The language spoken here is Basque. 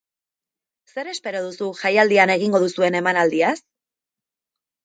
Zer espero duzu jaialdian egingo duzuen emanaldiaz?